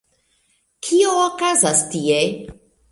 Kio okazas tie?